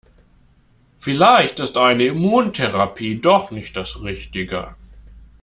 Vielleicht ist eine Immuntherapie doch nicht das Richtige.